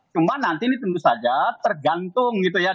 cuma nanti ini tentu saja tergantung gitu ya